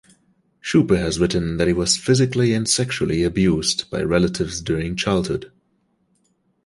Shupe has written that he was physically and sexually abused by relatives during childhood.